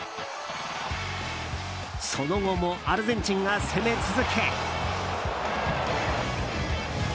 その後もアルゼンチンが攻め続け。